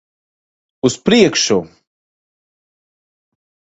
Uz priekšu!